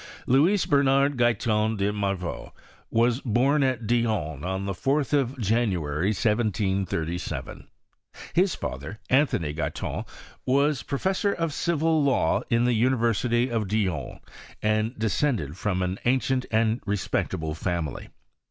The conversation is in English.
Louis Bernard Guyton de Morveau ivas bom al Dijon on the 4th of January, 1737. Hia father, Anthony Guyton, was professor of civil law in tha University of Dijon, and descended from an ancient and respectable family.